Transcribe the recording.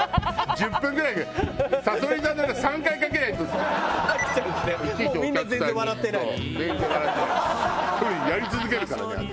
１人やり続けるからね私。